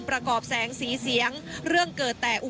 ประกอบแสงสีเสียงเรื่องเกิดแต่อุ